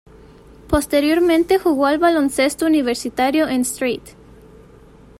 Posteriormente jugó al baloncesto universitario en St.